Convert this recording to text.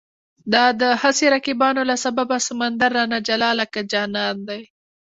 د دا هسې رقیبانو له سببه، سمندر رانه جلا لکه جانان دی